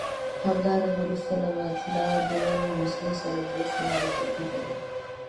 همدارنګه وروسته له مطلع دویمې مصرع سره درې سېلابه توپیر لري.